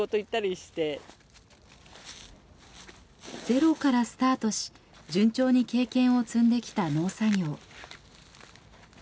ゼロからスタートし順調に経験を積んできた農作業。